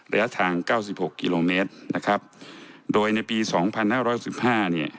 ระยะทางเก้าสิบหกกิโลเมตรนะครับโดยในปีสองพันห้าร้อยสิบห้าเนี่ย